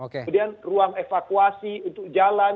kemudian ruang evakuasi untuk jalan